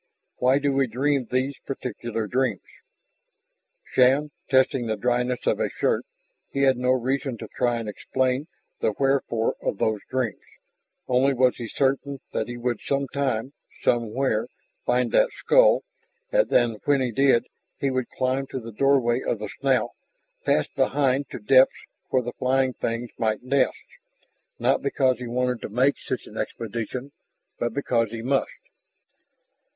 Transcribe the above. "Why do we dream those particular dreams?" Shann tested the dryness of a shirt. He had no reason to try and explain the wherefore of those dreams, only was he certain that he would sometime, somewhere, find that skull, and that when he did he would climb to the doorway of the snout, pass behind to depths where the flying things might nest not because he wanted to make such an expedition, but because he must.